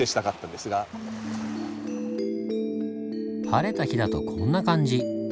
晴れた日だとこんな感じ。